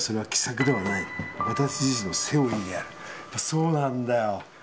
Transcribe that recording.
そうなんだよ。